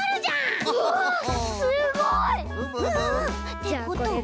ってことは。